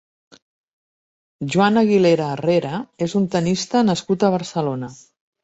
Joan Aguilera Herrera és un tennista nascut a Barcelona.